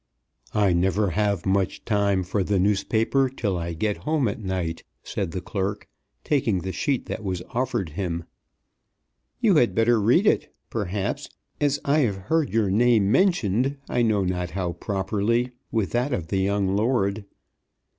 "I never have much time for the newspaper till I get home at night," said the clerk, taking the sheet that was offered him. "You had better read it, perhaps, as I have heard your name mentioned, I know not how properly, with that of the young lord."